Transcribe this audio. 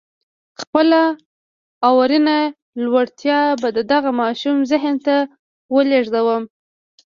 خپله اورنۍ لېوالتیا به د دغه ماشوم ذهن ته ولېږدوم.